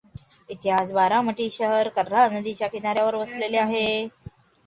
इतिहास बारामती शहर कऱ्हा नदीच्या किनाऱ्यावर वसलेले आहे.